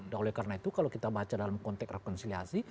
dan oleh karena itu kalau kita baca dalam konteks rekonsiliasi